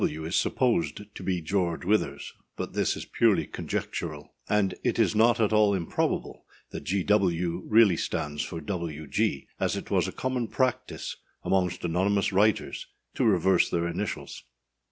G. W. is supposed to be George Withers; but this is purely conjectural; and it is not at all improbable that G. W. really stands for W. G., as it was a common practice amongst anonymous writers to reverse their initials.